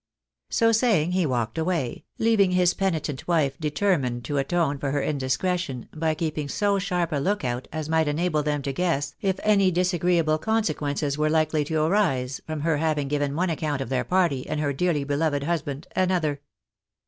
So saying, he walked away, leaving his penitent wife determined to atone for her indiscretion by keeping so sharp a look out as might enable them to guess if any disagreeable consequences were likely to arise from her having given one account of their party, and her dearly beloved husband another.